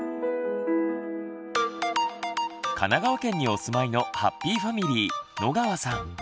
神奈川県にお住まいのハッピーファミリー野川さん。